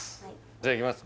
じゃあいきます